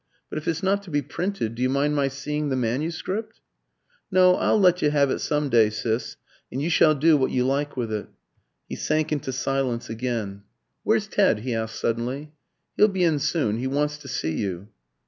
But if it's not to be printed, do you mind my seeing the manuscript?" "No; I'll let you have it some day, Sis, and you shall do what you like with it." He sank into silence again. "Where's Ted?" he asked suddenly. "He'll be in soon; he wants to see you."